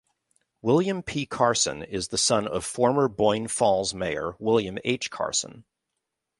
William P. Carson is the son of former Boyne Falls Mayor William H. Carson.